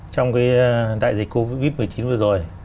trong cái đại dịch covid một mươi chín vừa rồi